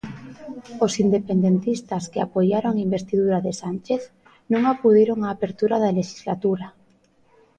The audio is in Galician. Os independentistas que apoiaron a investidura de Sánchez non acudiron á apertura da lexislatura.